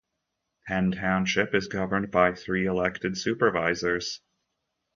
Penn Township is governed by three elected supervisors.